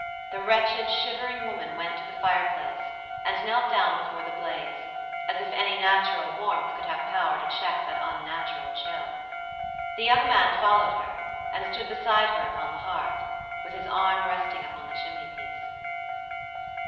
The wretched, shivering woman went to the fireplace and knelt down before the blaze, as if any natural warmth, could have power to check that unnatural chill. The young man followed her, and stood beside her upon the hearth, with his arm resting upon the chimney piece.